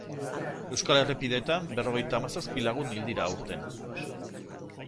Euskal errepideetan berrogeita hamazazpi lagun hil dira aurten.